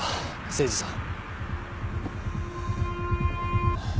誠司さん。